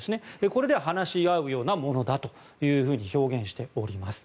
これで話し合うようなものだと表現しております。